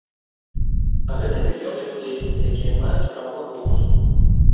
А гэта мільёны людзей, якія маюць права голасу.